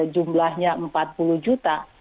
jumlahnya empat puluh juta